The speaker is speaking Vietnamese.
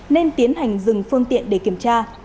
nên tiến hành dừng phương tiện để kiểm tra